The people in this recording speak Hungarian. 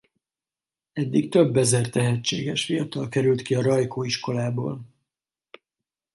Eddig több ezer tehetséges fiatal került ki a Rajkó-iskolából.